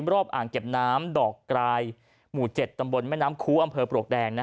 อ่างเก็บน้ำดอกกรายหมู่๗ตำบลแม่น้ำคูอำเภอปลวกแดง